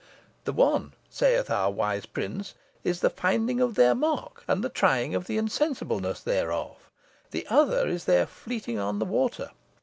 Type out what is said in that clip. "'The one,' saith our wise prince, 'is the finding of their mark, and the trying the insensibleness thereof. The other is their fleeting on the water.'